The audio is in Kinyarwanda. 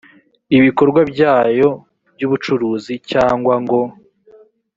ibikorwa byayo by ubucuruzi cyangwa ngo